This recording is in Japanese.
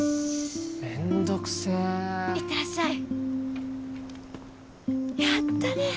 めんどくせ行ってらっしゃいやったね